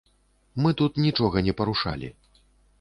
Мы тут нічога не парушалі.